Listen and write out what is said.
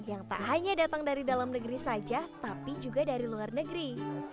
yang tak hanya datang dari dalam negeri saja tapi juga dari luar negeri